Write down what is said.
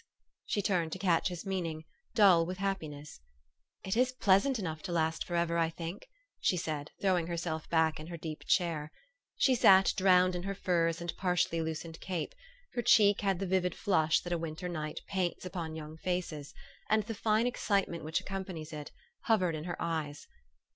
She turned to catch his meaning, dull with happiness. " It is pleasant enough to last for ever, I think," she said, throwing herself back in her deep chair. She sat drowned in her furs and partially loosened cape : her cheek had the vivid flush that a winter night paints upon young faces, and the fine excitement which accompanies it, hovered in her eyes.